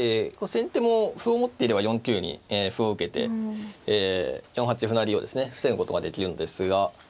先手も歩を持っていれば４九に歩を受けて４八歩成をですね防ぐことができるんですが。